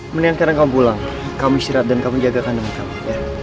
mendingan sekarang kamu pulang kamu istirahat dan kamu jaga kandang kamu ya